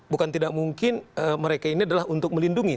bukan tidak mungkin mereka ini adalah untuk melindungi